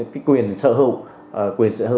cái quyền sở hữu